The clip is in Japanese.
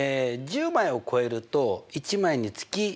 １０枚を超えると１枚につき１２００円。